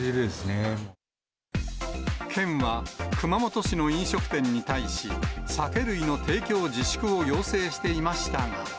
県は、熊本市の飲食店に対し、酒類の提供自粛を要請していましたが。